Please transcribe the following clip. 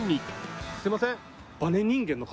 すいません。